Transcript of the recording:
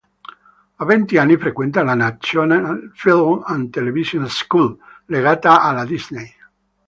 A vent'anni frequenta la National Film and Television School, legata alla Disney.